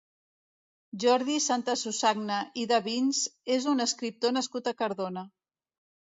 Jordi Santasusagna i Davins és un escriptor nascut a Cardona.